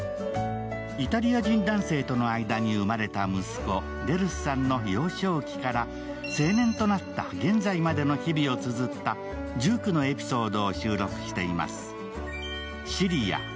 イタリア人男性との間に生まれた息子、デルスさんの幼少期から青年となった現在までの日々をつづった１９のエピソードを収録しています。